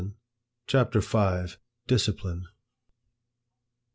CHAPTER V. DISCIPLINE.